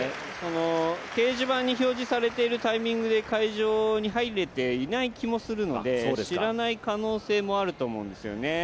掲示板に表示されているタイミングで会場に入れていない気もするので知らない可能性もあると思うんですよね。